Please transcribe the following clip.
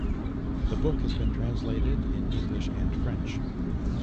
The book has been translated in English and French.